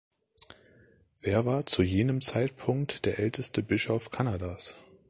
Er war zu jenem Zeitpunkt der älteste Bischof Kanadas.